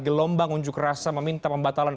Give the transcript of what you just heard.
gelombang unjuk rasa meminta pembatalan